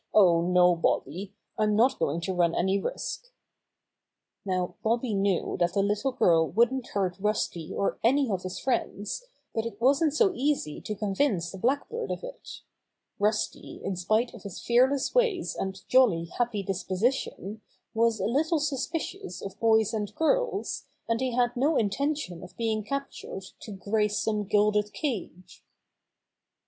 Oh, no, Bobby, I'm not going to run any risk!" Now Bobby knew that the little girl wouldn't hurt Rusty or any of his friends, but it wasn't so easy to convince the Blackbird of it. Rusty in spite of his fearless ways and jolly, happy disposition, was a little suspicious of boys and girls, and he had no intention of being captured to grace some gilded cage.